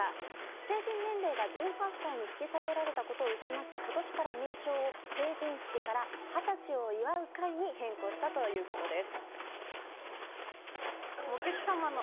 成人年齢が１８歳に引き下げられたことを受けまして今年から名称を成人式から二十歳を祝う会に変更したということです。